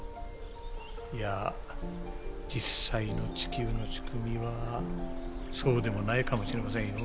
いや実際の地球の仕組みはそうでもないかもしれませんよ。